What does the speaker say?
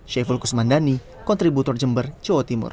syaiful kusmandani kontributor jember jawa timur